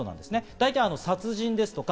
大体、殺人ですとか